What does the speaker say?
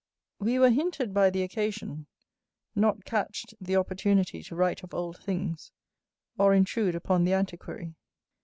We were hinted by the occasion, not catched the opportunity to write of old things, or intrude upon the antiquary.